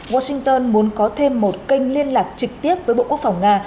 washington muốn có thêm một kênh liên lạc trực tiếp với bộ quốc phòng nga